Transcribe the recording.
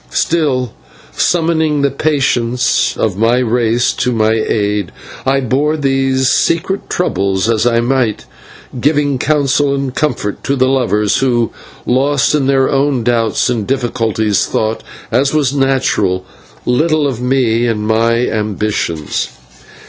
Still, summoning the patience of my race to my aid, I bore these secret troubles as I might, giving counsel and comfort to the lovers, who, lost in their own doubts and difficulties, thought, as was natural, little of me and my lost ambitions.